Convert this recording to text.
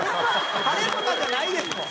晴れとかじゃないですもん。